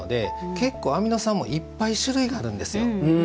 結構アミノ酸もいっぱい種類があるんですよ。